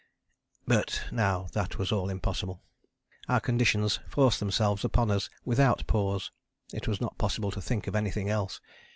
But now that was all impossible. Our conditions forced themselves upon us without pause: it was not possible to think of anything else.